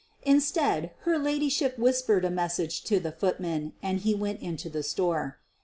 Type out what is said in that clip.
Instead, her ladyship whispered a mes sage to the footman and he went into the store.